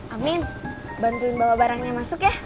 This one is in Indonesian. amin bantuin bawa barangnya masuk ya